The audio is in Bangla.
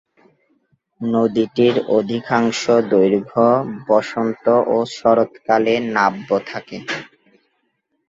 নদীটির অধিকাংশ দৈর্ঘ্য বসন্ত ও শরৎকালে নাব্য থাকে।